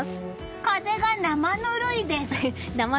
風が生ぬるいです。